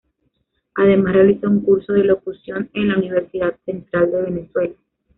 Además realizó un curso de locución en la Universidad Central de Venezuela.